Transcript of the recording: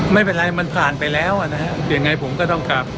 ไม่เป็นไรมันผ่านไปแล้วอ่ะนะฮะยังไงผมก็ต้องกลับ